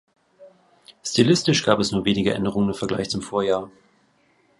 Stilistisch gab es nur wenige Änderungen im Vergleich zum Vorjahr.